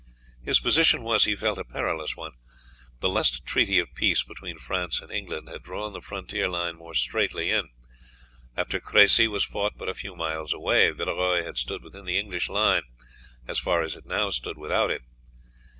His position was, he felt, a perilous one. The last treaty of peace between France and England had drawn the frontier line more straitly in. After Cressy was fought, but a few miles away, Villeroy had stood within the English line as far as it now stood without it.